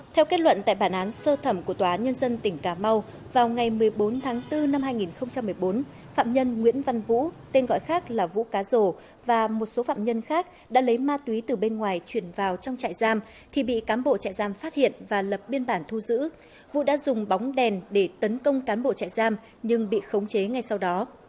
theo kết luận tại bản án sơ thẩm của tòa nhân dân tỉnh cà mau vào ngày một mươi bốn tháng bốn năm hai nghìn một mươi bốn phạm nhân nguyễn văn vũ tên gọi khác là vũ cá rổ và một số phạm nhân khác đã lấy ma túy từ bên ngoài chuyển vào trong trại giam thì bị cán bộ trại giam phát hiện và lập biên bản thu giữ vũ đã dùng bóng đèn để tấn công cán bộ trại giam nhưng bị khống chế ngay sau đó